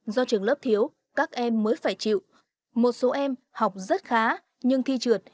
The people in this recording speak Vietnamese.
do trường lớp thiếu các em mới phải chịu một số em học rất khá nhưng thi trượt